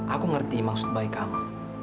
aku ngerti maksud baik kamu